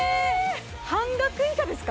半額以下ですか！？